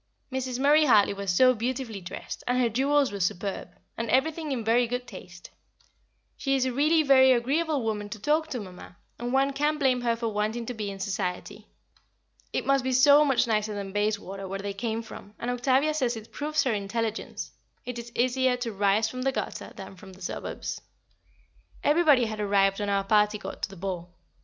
Mrs. Murray Hartley was so beautifully dressed, and her jewels were superb, and everything in very good taste. She is really a very agreeable woman to talk to, Mamma, and one can't blame her for wanting to be in Society. It must be so much nicer than Bayswater, where they came from, and Octavia says it proves her intelligence; it is easier to rise from the gutter than from the suburbs. Everybody had arrived when our party got to the ball.